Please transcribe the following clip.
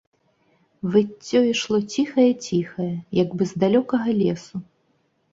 Выццё ішло ціхае, ціхае, як бы з далёкага лесу.